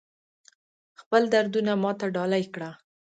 خپل دردونه ماته ډالۍ کړه